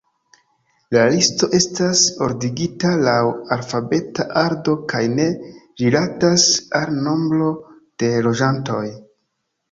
La listo estas ordigita laŭ alfabeta ordo kaj ne rilatas al nombro de loĝantoj.